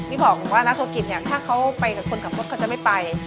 ที่บอกว่านักธุรกิจเนี่ยถ้าเขาไปกับคนขับรถเขาจะไม่ไป